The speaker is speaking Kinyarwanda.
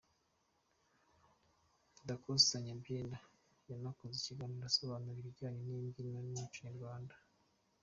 Dacosta Nyabyenda yanakoze ikiganiro asobanura ibijyanye n'imbyino n'umuco nyarwanda.